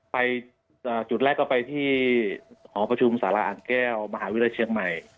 ไปจุดแรกก็ไปที่หอประชุมสารอ่างแก้วมหาวิทยาลัยเชียงใหม่